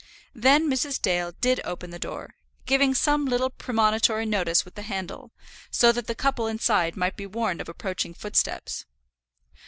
Then Mrs. Dale did open the door, giving some little premonitory notice with the handle, so that the couple inside might be warned of approaching footsteps.